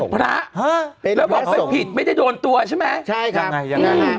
เป็นพระฮะแล้วบอกเป็นผิดไม่ได้โดนตัวใช่ไหมใช่ครับยังไงยังไง